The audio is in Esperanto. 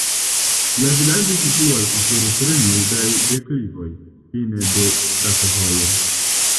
La vilaĝo situas sur tre mildaj deklivoj, fine de sakovojo.